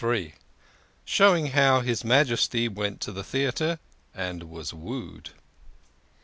SHOWING HOW HIS MAJESTY WENT TO THE THEATRE AND WAS WOOED.